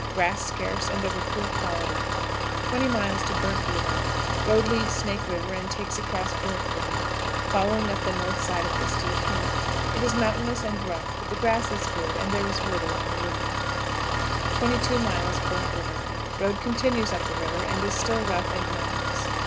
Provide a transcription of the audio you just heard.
Grass scarce and of a poor quality. 20. Burnt River. Road leaves Snake River, and takes across Burnt River, following up the north side of this to the camp. It is mountainous and rough, but the grass is good, and there is wood along the river. 22. Burnt River. Road continues up the river, and is still rough and mountainous.